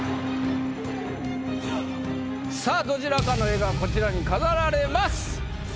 さあどちらかの絵がこちらに飾られます。